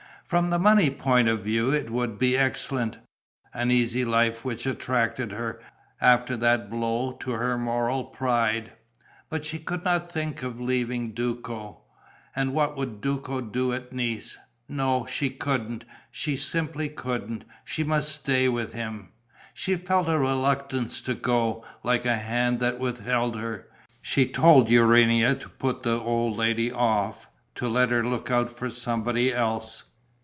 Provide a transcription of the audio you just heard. From the money point of view it would be excellent an easy life which attracted her, after that blow to her moral pride but she could not think of leaving Duco. And what would Duco do at Nice! No, she couldn't, she simply couldn't: she must stay with him.... She felt a reluctance to go, like a hand that withheld her. She told Urania to put the old lady off, to let her look out for somebody else.